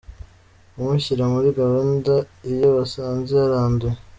Kumushyira muri gahunda iyo basanze yaranduye,.